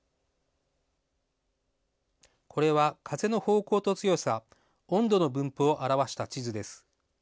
これは風の方向と強さ、温度の分布を表した地図です。